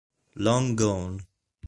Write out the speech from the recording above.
Long Gone